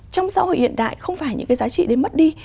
trong xã hội hiện đại không phải những cái giá trị đến mất đi